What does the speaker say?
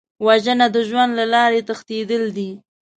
وژنه د ژوند له لارې تښتېدل دي